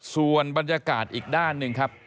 ส่วนบรรยากาศอีกด้านหนึ่งครับ